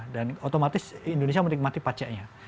dan otomatis indonesia menikmati pajaknya